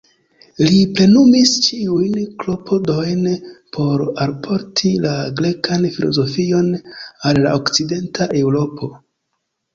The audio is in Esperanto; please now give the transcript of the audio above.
Li plenumis ĉiujn klopodojn por alporti la grekan filozofion al la Okcidenta Eŭropo.